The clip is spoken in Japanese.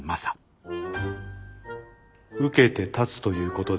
受けて立つということですね？